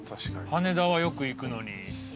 羽田はよく行くのに。